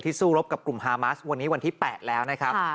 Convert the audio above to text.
สู้รบกับกลุ่มฮามาสวันนี้วันที่๘แล้วนะครับ